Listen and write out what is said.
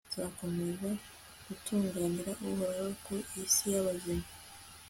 nzakomeza gutunganira uhoraho ku isi y'abazima